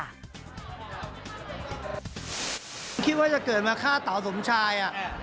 คิดว่าจะเกิดมาฆ่าเต๋าสมชาย